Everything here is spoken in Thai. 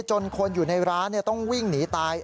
จนคนอยู่ในร้านต้องวิ่งหนีตาย